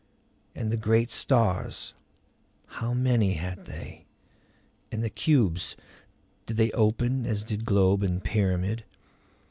And the great stars how many had they? And the cubes did they open as did globe and pyramid?